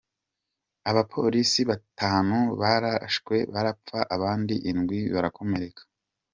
Abapolisi batanu bararashwe barapfa abandi indwi barakomereka.